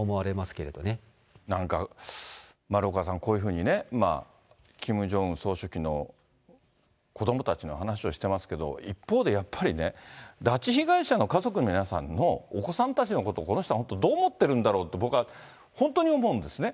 けれなんか、丸岡さん、こういうふうにね、キム・ジョンウン総書記の子どもたちの話をしてますけど、一方でやっぱりね、拉致被害者の家族の皆さんのお子さんたちのことを、この人は本当どう思ってるんだろうと、僕は本当に思うんですね。